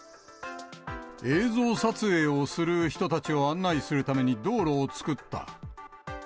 映像撮影をする人たちを案内するために道路を造った。